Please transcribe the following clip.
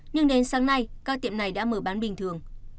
nhưng đến sáng nay các tiệm này đã mở bán bình thường